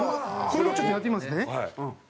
これをちょっとやってみますね。